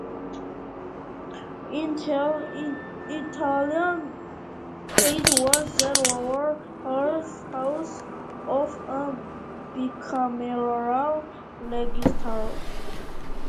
Initially, it was the lower house of a bicameral legislature.